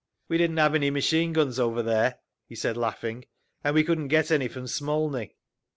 "We didn't have any machine guns over there," he said, laughing, "and we couldn't get any from Smolny.